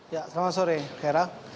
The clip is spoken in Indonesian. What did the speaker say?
ya selamat sore kera